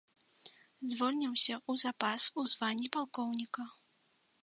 Звольніўся ў запас у званні палкоўніка.